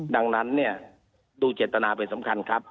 ดังนั้นเนี่ยดูเจตนาเป็นสำคัญครับ